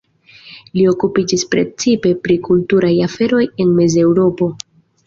Li okupiĝis precipe pri kulturaj aferoj en Mez-Eŭropo.